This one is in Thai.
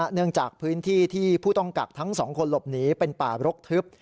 เนื่องจากพื้นที่ที่ผู้ต้องกักทั้งสองคนหลบหนีเป็นป่ารกทึบ